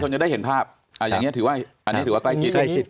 อันนี้ถือว่าใกล้ชิด